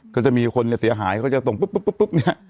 ก็จะมีคนเนี่ยเสียหายเขาจะส่งปุ๊บปุ๊บเนี่ย